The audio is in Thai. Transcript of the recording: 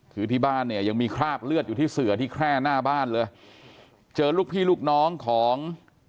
คือที่บ้านเนี่ยยังมีคราบเลือดอยู่ที่เสือที่แคร่หน้าบ้านเลยเจอลูกพี่ลูกน้องของ